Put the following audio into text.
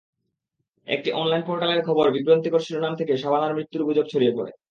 একটি অনলাইন পোর্টালের খবরের বিভ্রান্তিকর শিরোনাম থেকে শাবানার মৃত্যুর গুজব ছড়িয়ে পড়ে।